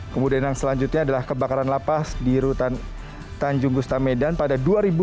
kemudian yang selanjutnya adalah kebakaran la paz di rutan tanjung gustamedan pada dua ribu delapan belas